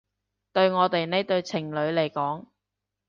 對我哋呢對情侶嚟講